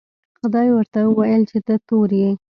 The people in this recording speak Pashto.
خدای ورته وویل چې ته تور یې.